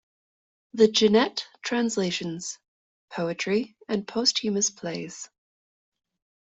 "The Genet Translations: Poetry and Posthumous Plays".